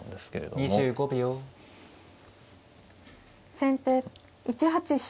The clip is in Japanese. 先手１八飛車。